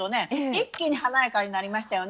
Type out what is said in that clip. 一気に華やかになりましたよね。